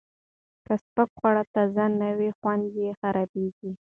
که سپک خواړه تازه نه وي، خوند یې خرابېږي.